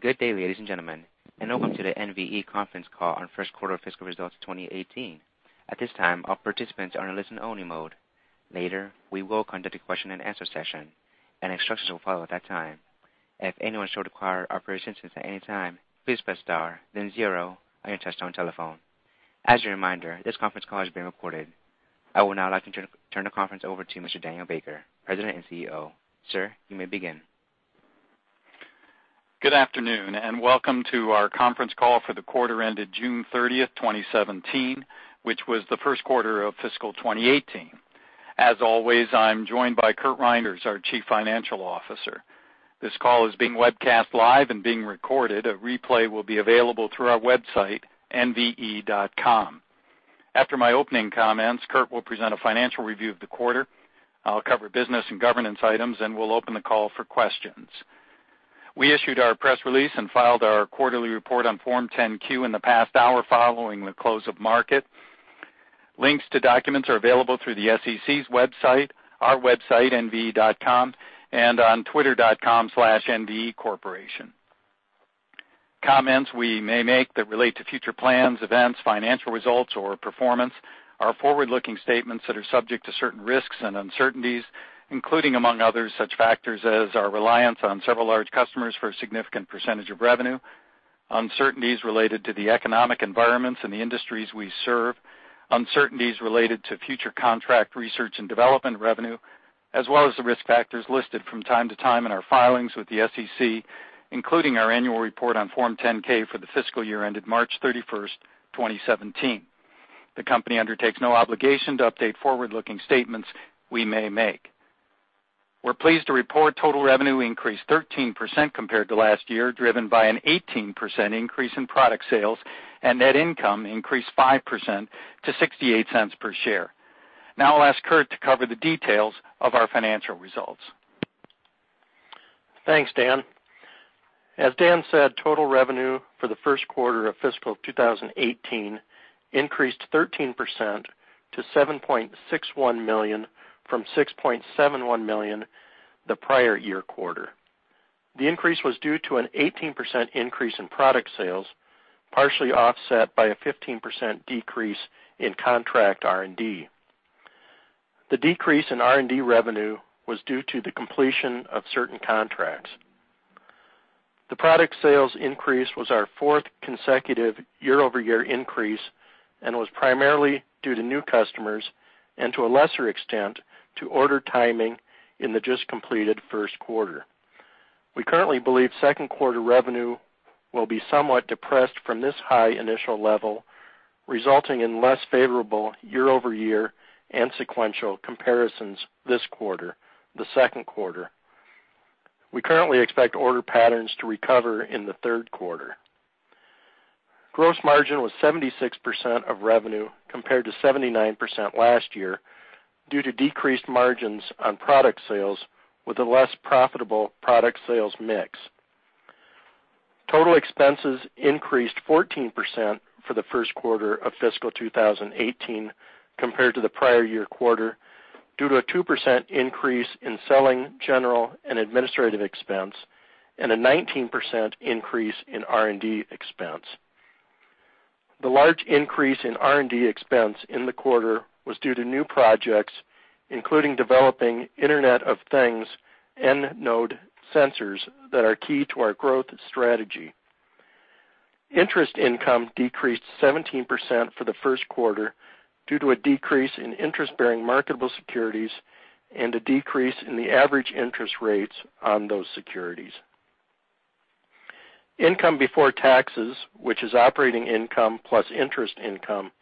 Good day, ladies and gentlemen, and welcome to the NVE conference call on first quarter fiscal results 2018. At this time, all participants are in listen only mode. Later, we will conduct a question and answer session, and instructions will follow at that time. If anyone should require operator assistance at any time, please press star then zero on your touchtone telephone. As a reminder, this conference call is being recorded. I would now like to turn the conference over to Mr. Daniel Baker, President and CEO. Sir, you may begin. Good afternoon, and welcome to our conference call for the quarter ended June 30th, 2017, which was the first quarter of fiscal 2018. As always, I'm joined by Curt Reynders, our Chief Financial Officer. This call is being webcast live and being recorded. A replay will be available through our website, nve.com. After my opening comments, Curt will present a financial review of the quarter. I'll cover business and governance items, and we'll open the call for questions. We issued our press release and filed our quarterly report on Form 10-Q in the past hour following the close of market. Links to documents are available through the SEC's website, our website, nve.com, and on twitter.com/nvecorporation. Comments we may make that relate to future plans, events, financial results, or performance are forward-looking statements that are subject to certain risks and uncertainties, including, among others, such factors as our reliance on several large customers for a significant percentage of revenue, uncertainties related to the economic environments in the industries we serve, uncertainties related to future contract research and development revenue, as well as the risk factors listed from time to time in our filings with the SEC, including our annual report on Form 10-K for the fiscal year ended March 31st, 2017. The company undertakes no obligation to update forward-looking statements we may make. We're pleased to report total revenue increased 13% compared to last year, driven by an 18% increase in product sales, and net income increased 5% to $0.68 per share. Now I'll ask Curt to cover the details of our financial results. Thanks, Dan. As Dan said, total revenue for the first quarter of fiscal 2018 increased 13% to $7.61 million from $6.71 million the prior year quarter. The increase was due to an 18% increase in product sales, partially offset by a 15% decrease in contract R&D. The decrease in R&D revenue was due to the completion of certain contracts. The product sales increase was our fourth consecutive year-over-year increase and was primarily due to new customers and to a lesser extent, to order timing in the just completed first quarter. We currently believe second quarter revenue will be somewhat depressed from this high initial level, resulting in less favorable year-over-year and sequential comparisons this quarter, the second quarter. We currently expect order patterns to recover in the third quarter. Gross margin was 76% of revenue compared to 79% last year due to decreased margins on product sales with a less profitable product sales mix. Total expenses increased 14% for the first quarter of fiscal 2018 compared to the prior year quarter due to a 2% increase in selling, general, and administrative expense and a 19% increase in R&D expense. The large increase in R&D expense in the quarter was due to new projects, including developing Internet of Things Node sensors that are key to our growth strategy. Interest income decreased 17% for the first quarter due to a decrease in interest-bearing marketable securities and a decrease in the average interest rates on those securities. Income before taxes, which is operating income plus interest income,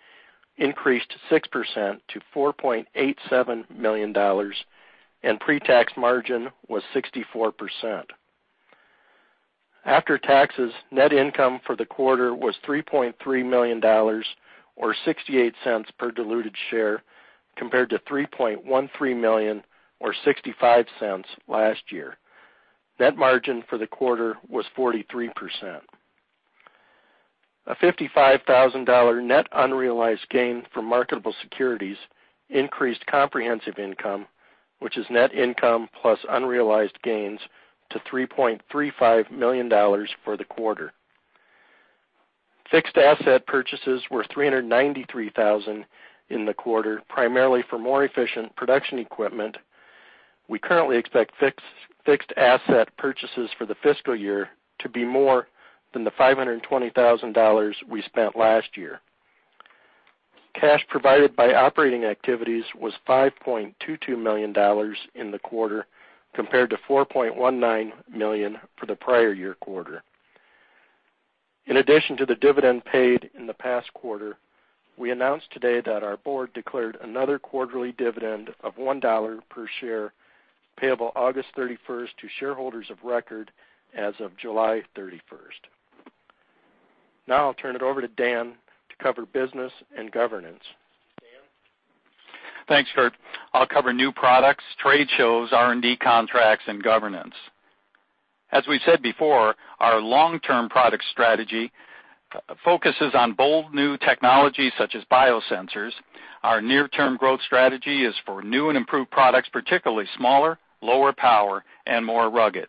increased 6% to $4.87 million, and pre-tax margin was 64%. After taxes, net income for the quarter was $3.3 million, or $0.68 per diluted share, compared to $3.13 million or $0.65 last year. Net margin for the quarter was 43%. A $55,000 net unrealized gain from marketable securities increased comprehensive income, which is net income plus unrealized gains, to $3.35 million for the quarter. Fixed asset purchases were $393,000 in the quarter, primarily for more efficient production equipment. We currently expect fixed asset purchases for the fiscal year to be more than the $520,000 we spent last year. Cash provided by operating activities was $5.22 million in the quarter, compared to $4.19 million for the prior year quarter. In addition to the dividend paid in the past quarter, we announced today that our board declared another quarterly dividend of $1 per share, payable August 31st to shareholders of record as of July 31st. I'll turn it over to Dan to cover business and governance. Dan? Thanks, Curt. I'll cover new products, trade shows, R&D contracts, and governance. As we said before, our long-term product strategy focuses on bold new technologies such as biosensors. Our near-term growth strategy is for new and improved products, particularly smaller, lower power, and more rugged.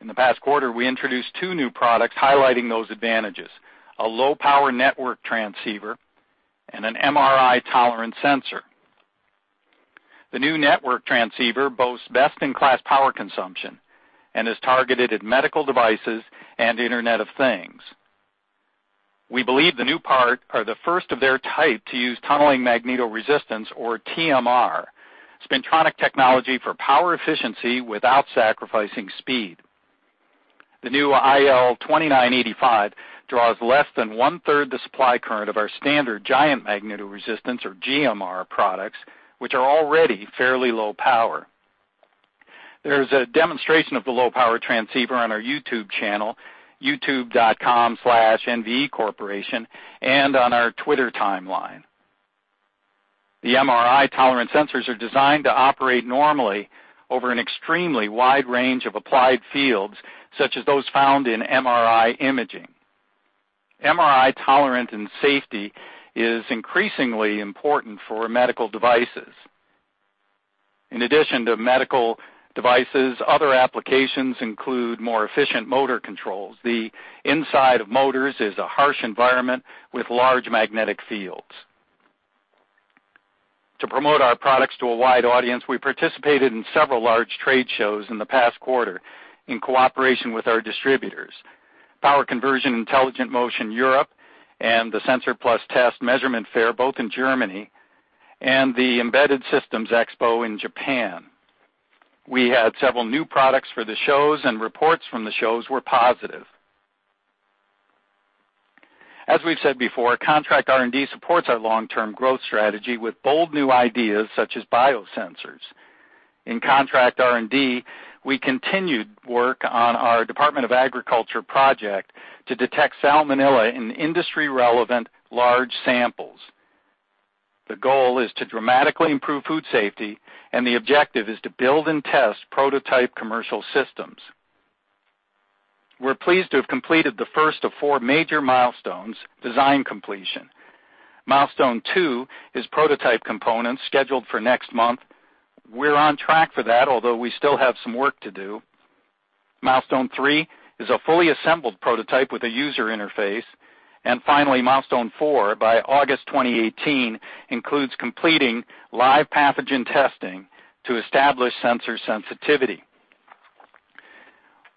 In the past quarter, we introduced two new products highlighting those advantages, a low-power network transceiver and an MRI-tolerant sensor. The new network transceiver boasts best-in-class power consumption and is targeted at medical devices and Internet of Things. We believe the new parts are the first of their type to use tunneling magnetoresistance, or TMR, spintronic technology for power efficiency without sacrificing speed. The new IL2985 draws less than one-third the supply current of our standard giant magnetoresistance, or GMR, products, which are already fairly low power. There's a demonstration of the low-power transceiver on our YouTube channel, youtube.com/nvecorporation, and on our Twitter timeline. The MRI-tolerant sensors are designed to operate normally over an extremely wide range of applied fields, such as those found in MRI imaging. MRI tolerance and safety is increasingly important for medical devices. In addition to medical devices, other applications include more efficient motor controls. The inside of motors is a harsh environment with large magnetic fields. To promote our products to a wide audience, we participated in several large trade shows in the past quarter in cooperation with our distributors, Power Conversion Intelligent Motion Europe, and the SENSOR+TEST measurement fair, both in Germany, and the Embedded Systems Expo in Japan. We had several new products for the shows, and reports from the shows were positive. As we've said before, contract R&D supports our long-term growth strategy with bold new ideas such as biosensors. In contract R&D, we continued work on our U.S. Department of Agriculture project to detect Salmonella in industry-relevant large samples. The goal is to dramatically improve food safety, and the objective is to build and test prototype commercial systems. We're pleased to have completed the first of four major milestones, design completion. Milestone 2 is prototype components scheduled for next month. We're on track for that, although we still have some work to do. Milestone 3 is a fully assembled prototype with a user interface. Finally, milestone 4, by August 2018, includes completing live pathogen testing to establish sensor sensitivity.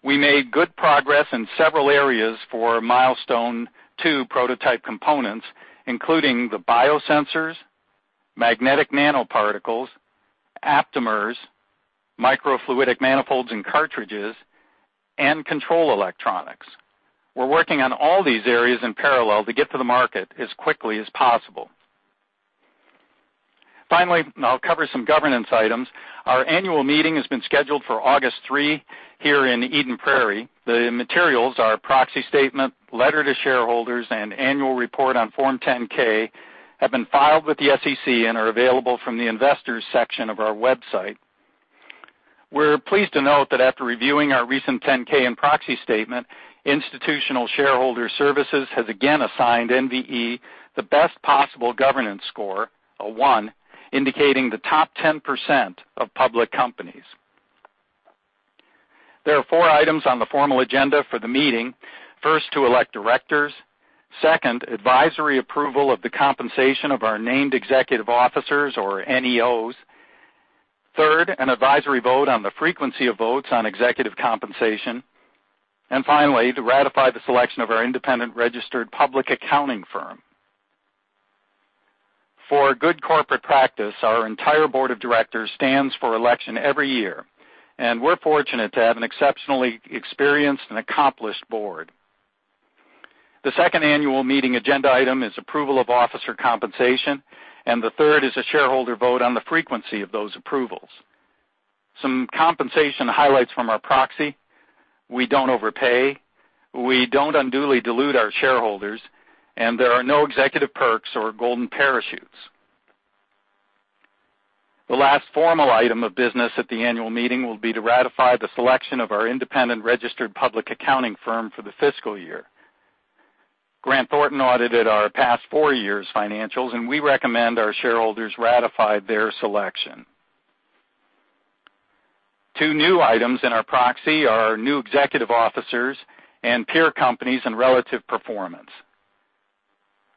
We made good progress in several areas for milestone 2 prototype components, including the biosensors, magnetic nanoparticles, aptamers, microfluidic manifolds and cartridges, and control electronics. We're working on all these areas in parallel to get to the market as quickly as possible. Finally, I'll cover some governance items. Our annual meeting has been scheduled for August 3 here in Eden Prairie. The materials, our proxy statement, letter to shareholders, and annual report on Form 10-K have been filed with the SEC and are available from the investors section of our website. We're pleased to note that after reviewing our recent 10-K and proxy statement, Institutional Shareholder Services has again assigned NVE the best possible governance score, a 1, indicating the top 10% of public companies. There are four items on the formal agenda for the meeting. First, to elect directors. Second, advisory approval of the compensation of our Named Executive Officers or NEOs. Third, an advisory vote on the frequency of votes on executive compensation. Finally, to ratify the selection of our independent registered public accounting firm. For good corporate practice, our entire board of directors stands for election every year, and we're fortunate to have an exceptionally experienced and accomplished board. The second annual meeting agenda item is approval of officer compensation, and the third is a shareholder vote on the frequency of those approvals. Some compensation highlights from our proxy. We don't overpay, we don't unduly dilute our shareholders, and there are no executive perks or golden parachutes. The last formal item of business at the annual meeting will be to ratify the selection of our independent registered public accounting firm for the fiscal year. Grant Thornton audited our past four years' financials, and we recommend our shareholders ratify their selection. Two new items in our proxy are our new executive officers and peer companies and relative performance.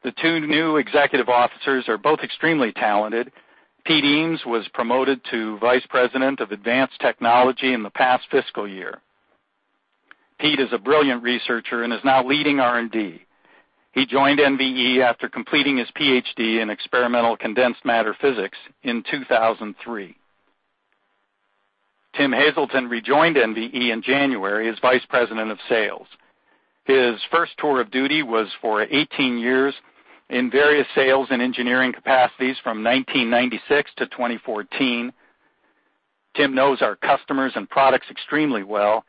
The two new executive officers are both extremely talented. Pete Eames was promoted to Vice President of Advanced Technology in the past fiscal year. Pete is a brilliant researcher and is now leading R&D. He joined NVE after completing his PhD in experimental condensed matter physics in 2003. Tim Hazelton rejoined NVE in January as Vice President of Sales. His first tour of duty was for 18 years in various sales and engineering capacities from 1996 to 2014. Tim knows our customers and products extremely well.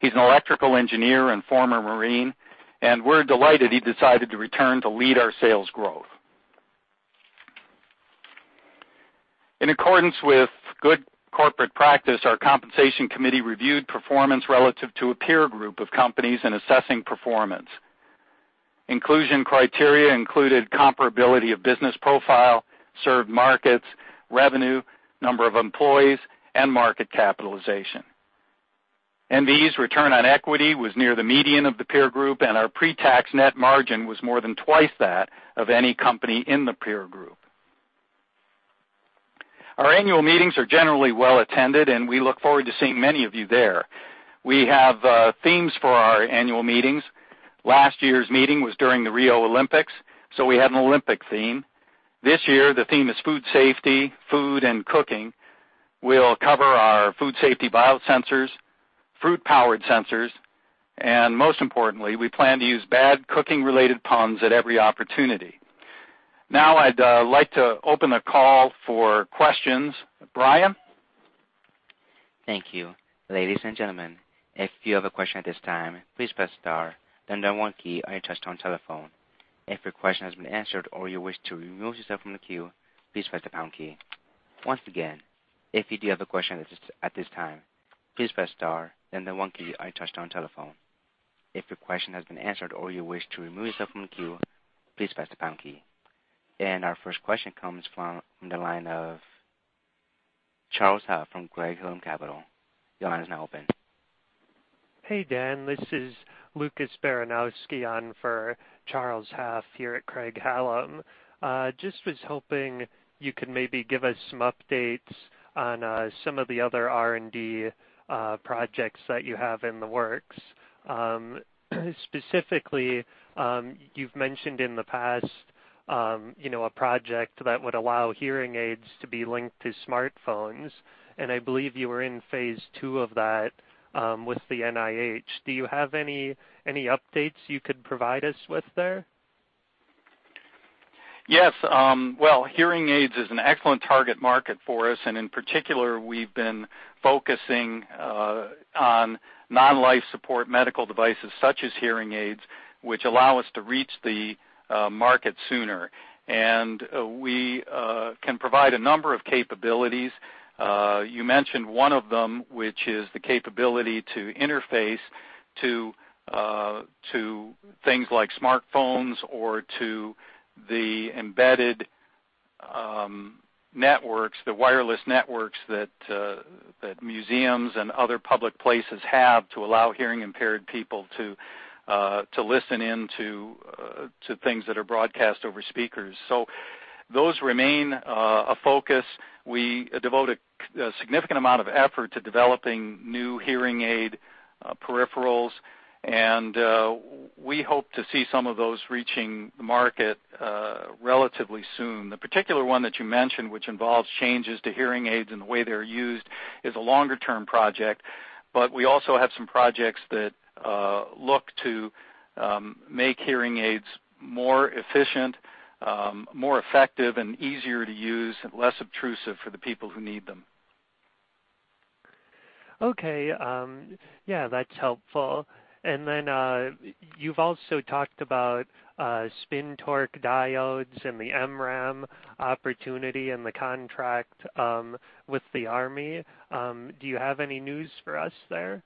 He's an electrical engineer and former Marine, and we're delighted he decided to return to lead our sales growth. In accordance with good corporate practice, our compensation committee reviewed performance relative to a peer group of companies in assessing performance. Inclusion criteria included comparability of business profile, served markets, revenue, number of employees, and market capitalization. NVE's return on equity was near the median of the peer group, and our pre-tax net margin was more than twice that of any company in the peer group. Our annual meetings are generally well-attended, and we look forward to seeing many of you there. We have themes for our annual meetings. Last year's meeting was during the Rio Olympics, so we had an Olympic theme. This year, the theme is food safety, food, and cooking. We'll cover our food safety biosensors, food-powered sensors, and most importantly, we plan to use bad cooking-related puns at every opportunity. I'd like to open the call for questions. Brian? Thank you. Ladies and gentlemen, if you have a question at this time, please press star then the one key on your touchtone telephone. If your question has been answered or you wish to remove yourself from the queue, please press the pound key. Once again, if you do have a question at this time, please press star then the one key on your touchtone telephone. If your question has been answered or you wish to remove yourself from the queue, please press the pound key. Our first question comes from the line of Charles Huff from Craig-Hallum Capital. Your line is now open. Hey, Dan. This is Lucas Baranowski on for Charles Huff here at Craig-Hallum. Was hoping you could maybe give us some updates on some of the other R&D projects that you have in the works. Specifically, you've mentioned in the past a project that would allow hearing aids to be linked to smartphones, and I believe you were in phase II of that with the NIH. Do you have any updates you could provide us with there? Yes. Well, hearing aids is an excellent target market for us, and in particular, we've been focusing on non-life support medical devices such as hearing aids, which allow us to reach the market sooner. We can provide a number of capabilities. You mentioned one of them, which is the capability to interface to things like smartphones or to the embedded networks, the wireless networks that museums and other public places have to allow hearing-impaired people to listen in to things that are broadcast over speakers. Those remain a focus. We devote a significant amount of effort to developing new hearing aid peripherals, and we hope to see some of those reaching the market relatively soon. The particular one that you mentioned, which involves changes to hearing aids and the way they're used, is a longer-term project. We also have some projects that look to make hearing aids more efficient, more effective, and easier to use, and less obtrusive for the people who need them. Okay. Yeah, that's helpful. Then you've also talked about spin-torque diodes and the MRAM opportunity and the contract with the Army. Do you have any news for us there?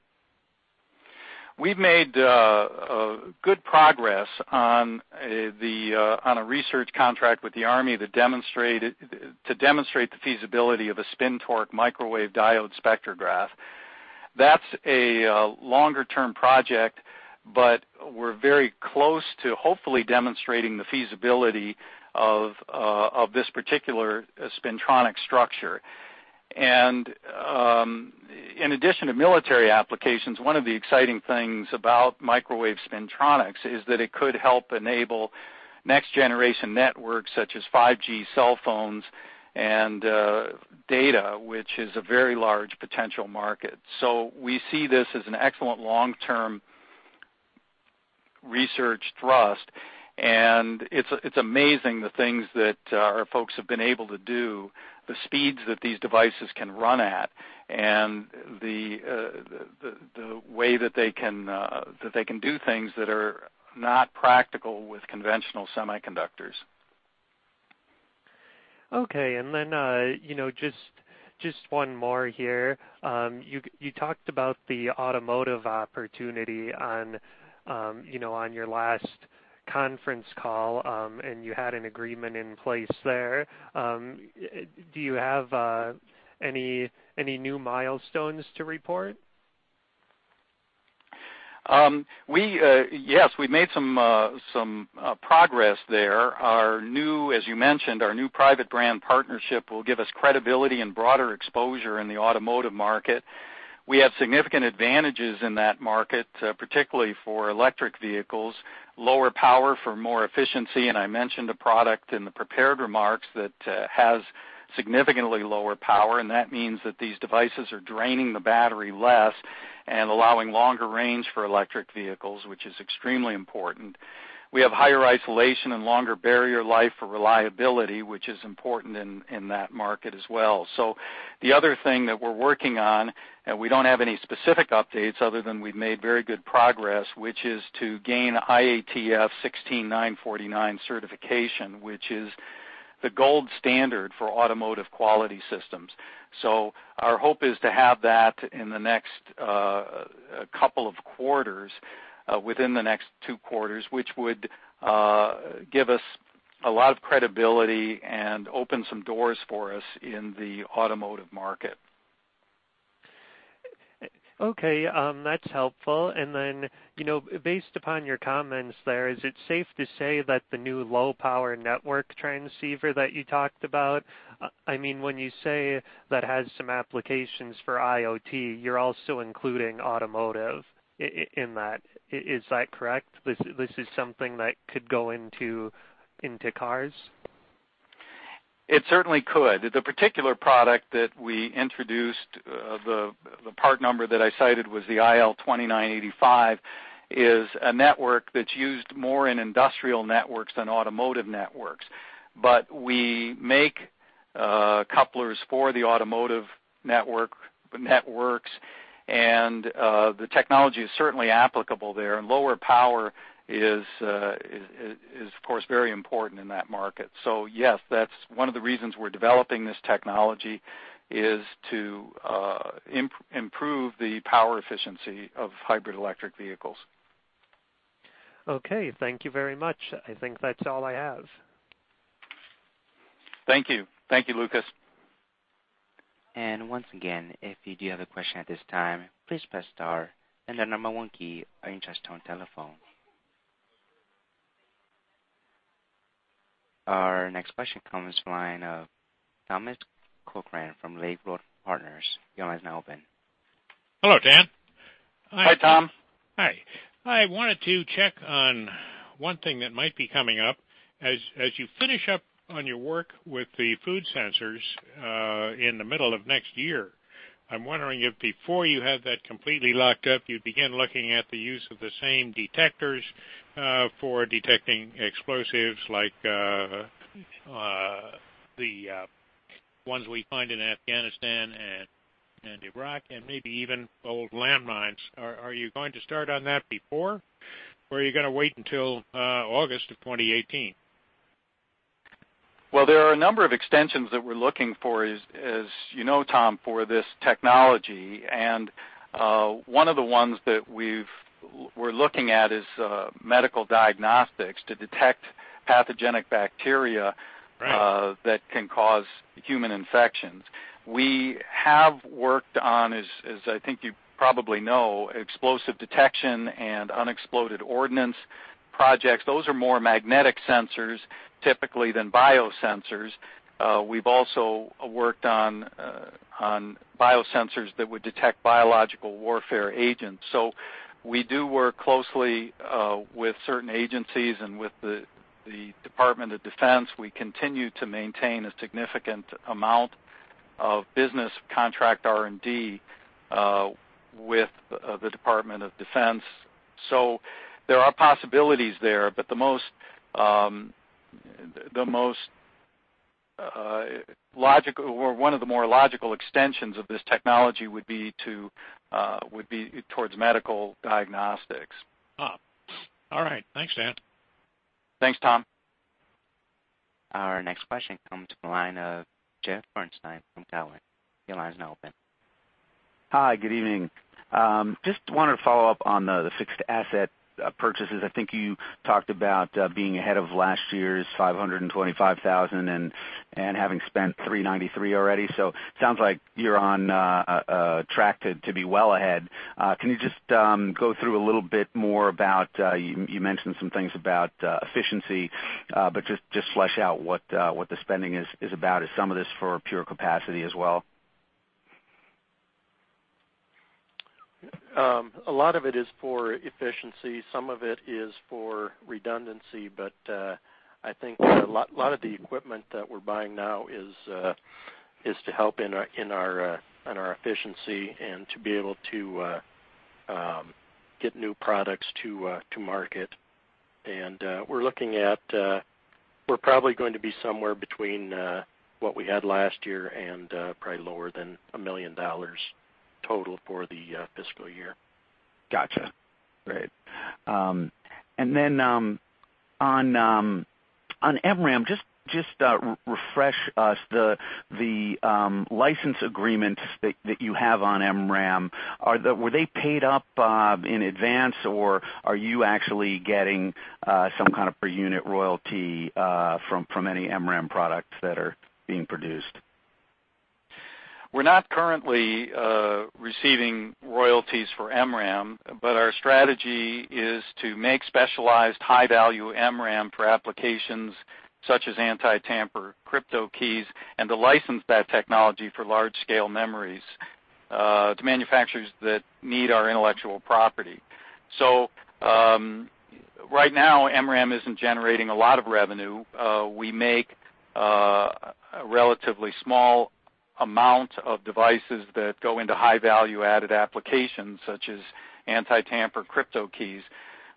We've made good progress on a research contract with the Army to demonstrate the feasibility of a spin-torque microwave diode spectrograph. That's a longer-term project, but we're very close to hopefully demonstrating the feasibility of this particular spintronic structure. In addition to military applications, one of the exciting things about microwave spintronics is that it could help enable next generation networks such as 5G cell phones and data, which is a very large potential market. We see this as an excellent long-term research thrust, and it's amazing the things that our folks have been able to do, the speeds that these devices can run at, and the way that they can do things that are not practical with conventional semiconductors. Okay. Just one more here. You talked about the automotive opportunity on your last conference call, and you had an agreement in place there. Do you have any new milestones to report? Yes. We've made some progress there. As you mentioned, our new private brand partnership will give us credibility and broader exposure in the automotive market. We have significant advantages in that market, particularly for electric vehicles, lower power for more efficiency, and I mentioned a product in the prepared remarks that has significantly lower power, and that means that these devices are draining the battery less and allowing longer range for electric vehicles, which is extremely important. We have higher isolation and longer barrier life for reliability, which is important in that market as well. The other thing that we're working on, and we don't have any specific updates other than we've made very good progress, which is to gain IATF 16949 certification, which is the gold standard for automotive quality systems. Our hope is to have that in the next couple of quarters, within the next two quarters, which would give us a lot of credibility and open some doors for us in the automotive market. Okay, that's helpful. Based upon your comments there, is it safe to say that the new low power network transceiver that you talked about, when you say that has some applications for IoT, you're also including automotive in that, is that correct? This is something that could go into cars? It certainly could. The particular product that we introduced, the part number that I cited was the IL2985, is a network that's used more in industrial networks than automotive networks. We make couplers for the automotive networks, and the technology is certainly applicable there, and lower power is of course very important in that market. Yes, that's one of the reasons we're developing this technology is to improve the power efficiency of hybrid electric vehicles. Okay. Thank you very much. I think that's all I have. Thank you. Thank you, Lucas. Once again, if you do have a question at this time, please press star and the number 1 key on your touch-tone telephone. Our next question comes from the line of Thomas Cochran from Lake Road Advisors. Your line is now open. Hello, Dan. Hi, Tom. Hi. I wanted to check on one thing that might be coming up. As you finish up on your work with the food sensors in the middle of next year, I'm wondering if before you have that completely locked up, you begin looking at the use of the same detectors for detecting explosives like the ones we find in Afghanistan and Iraq, and maybe even old landmines. Are you going to start on that before, or are you going to wait until August of 2018? Well, there are a number of extensions that we're looking for, as you know, Tom, for this technology, and one of the ones that we're looking at is medical diagnostics to detect pathogenic bacteria. Right that can cause human infections. We have worked on, as I think you probably know, explosive detection and unexploded ordnance projects. Those are more magnetic sensors, typically, than biosensors. We've also worked on biosensors that would detect biological warfare agents. We do work closely with certain agencies and with the Department of Defense. We continue to maintain a significant amount of business contract R&D with the Department of Defense. There are possibilities there, but one of the more logical extensions of this technology would be towards medical diagnostics. All right. Thanks, Dan. Thanks, Tom. Our next question comes from the line of Jeff Bernstein from Cowen. Your line is now open. Hi, good evening. Just wanted to follow up on the fixed asset purchases. I think you talked about being ahead of last year's $525,000 and having spent $393,000 already. Sounds like you're on track to be well ahead. Can you just go through a little bit more about, you mentioned some things about efficiency, but just flesh out what the spending is about. Is some of this for pure capacity as well? A lot of it is for efficiency, some of it is for redundancy. I think a lot of the equipment that we're buying now is to help in our efficiency and to be able to get new products to market. We're probably going to be somewhere between what we had last year and probably lower than $1 million total for the fiscal year. Gotcha. Great. On MRAM, just refresh us, the license agreements that you have on MRAM, were they paid up in advance or are you actually getting some kind of per unit royalty from any MRAM products that are being produced? We're not currently receiving royalties for MRAM, but our strategy is to make specialized high-value MRAM for applications such as anti-tamper crypto keys, and to license that technology for large-scale memories to manufacturers that need our intellectual property. Right now, MRAM isn't generating a lot of revenue. We make a relatively small amount of devices that go into high value-added applications such as anti-tamper crypto keys.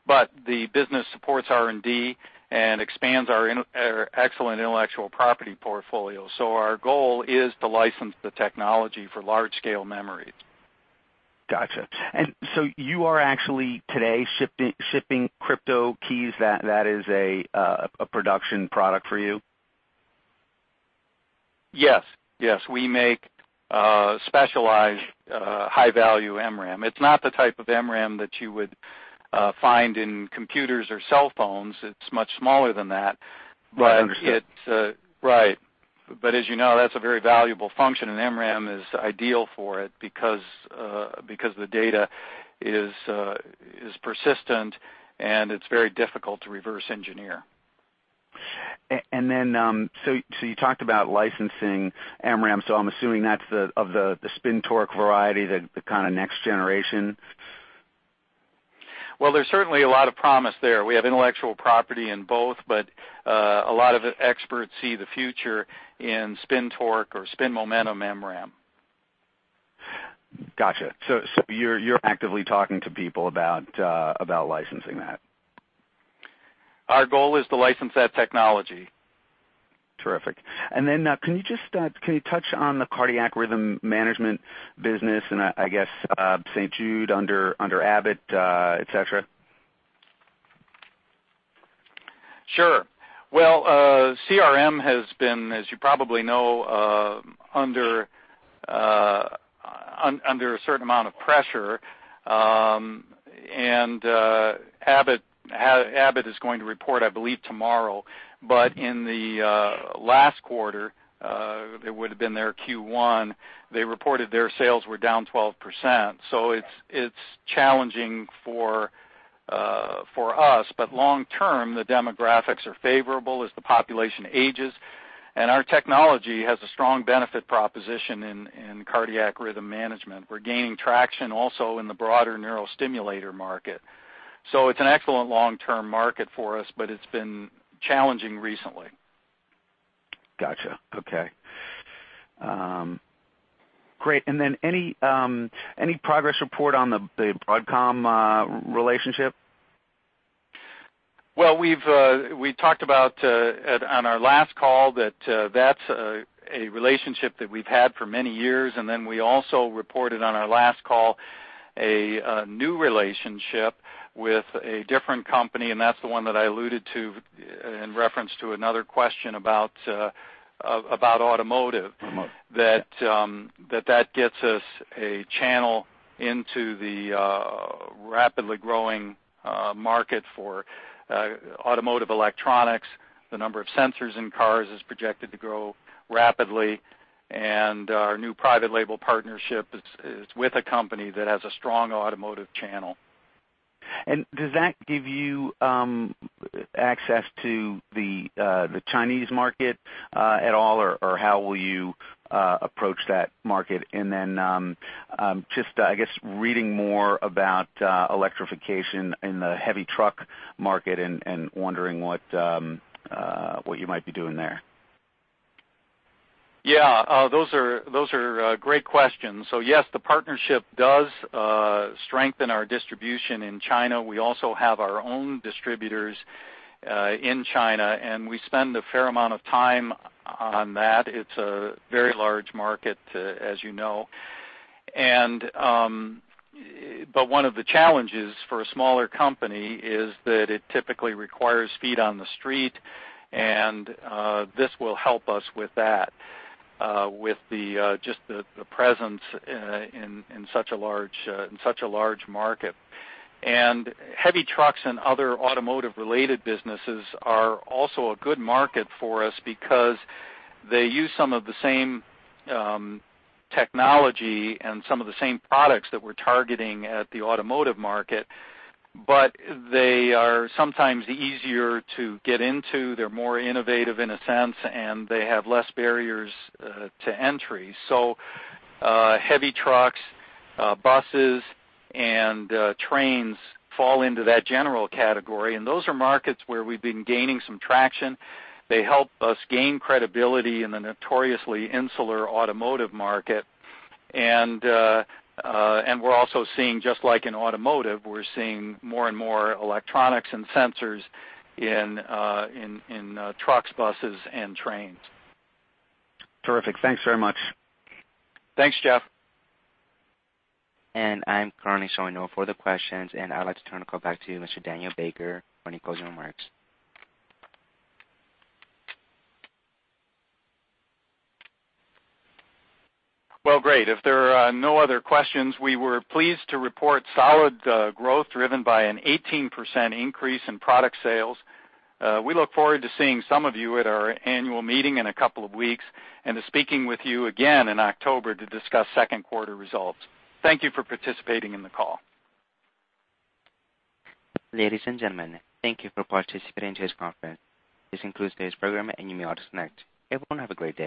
The business supports R&D and expands our excellent intellectual property portfolio. Our goal is to license the technology for large-scale memory. Gotcha. You are actually today shipping crypto keys, that is a production product for you? Yes. We make specialized high-value MRAM. It's not the type of MRAM that you would find in computers or cell phones, it's much smaller than that. I understand. Right. As you know, that's a very valuable function, and MRAM is ideal for it because the data is persistent, and it's very difficult to reverse engineer. You talked about licensing MRAM, so I'm assuming that's the of the spintronic variety, the kind of next generation. There's certainly a lot of promise there. We have intellectual property in both, but a lot of experts see the future in spintronic or spin-transfer torque MRAM. Got you. You're actively talking to people about licensing that. Our goal is to license that technology. Terrific. Can you touch on the cardiac rhythm management business and, I guess, St. Jude under Abbott, et cetera? Sure. Well, CRM has been, as you probably know, under a certain amount of pressure. Abbott is going to report, I believe, tomorrow. In the last quarter, it would have been their Q1, they reported their sales were down 12%. It's challenging for us. Long-term, the demographics are favorable as the population ages, and our technology has a strong benefit proposition in cardiac rhythm management. We're gaining traction also in the broader neurostimulator market. It's an excellent long-term market for us, but it's been challenging recently. Got you. Okay. Great. Any progress report on the Broadcom relationship? Well, we talked about on our last call that that's a relationship that we've had for many years, we also reported on our last call a new relationship with a different company, that's the one that I alluded to in reference to another question about automotive. Automotive. Yeah. That gets us a channel into the rapidly growing market for automotive electronics. The number of sensors in cars is projected to grow rapidly. Our new private label partnership is with a company that has a strong automotive channel. Does that give you access to the Chinese market at all, or how will you approach that market? Just, I guess, reading more about electrification in the heavy truck market and wondering what you might be doing there. Yeah. Those are great questions. Yes, the partnership does strengthen our distribution in China. We also have our own distributors in China, and we spend a fair amount of time on that. It's a very large market, as you know. One of the challenges for a smaller company is that it typically requires feet on the street, and this will help us with that, with just the presence in such a large market. Heavy trucks and other automotive-related businesses are also a good market for us because they use some of the same technology and some of the same products that we're targeting at the automotive market, but they are sometimes easier to get into. They're more innovative in a sense, and they have less barriers to entry. Heavy trucks, buses, and trains fall into that general category, and those are markets where we've been gaining some traction. They help us gain credibility in the notoriously insular automotive market. We're also seeing, just like in automotive, we're seeing more and more electronics and sensors in trucks, buses, and trains. Terrific. Thanks very much. Thanks, Jeff. I'm currently showing no further questions, and I'd like to turn the call back to Mr. Daniel Baker for any closing remarks. Well, great. If there are no other questions, we were pleased to report solid growth driven by an 18% increase in product sales. We look forward to seeing some of you at our annual meeting in a couple of weeks and to speaking with you again in October to discuss second quarter results. Thank you for participating in the call. Ladies and gentlemen, thank you for participating to this conference. This concludes today's program, and you may all disconnect. Everyone, have a great day.